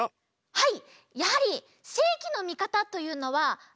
はい！